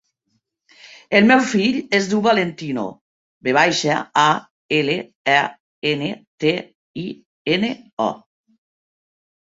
El meu fill es diu Valentino: ve baixa, a, ela, e, ena, te, i, ena, o.